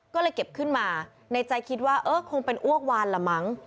ก็เลยเก็บขึ้นมาในใจคิดว่าเออคงเป็นอ้วกวานละมั้ง